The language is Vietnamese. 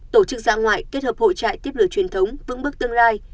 tổ chức ra ngoại kết hợp hội trại tiếp lửa truyền thống vững bước tương lai